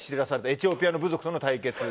エチオピアの部族との対決で。